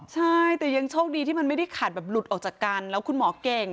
ใช่แต่ยังโชคดีที่มันไม่ได้ขาดแบบหลุดออกจากกันแล้วคุณหมอเก่ง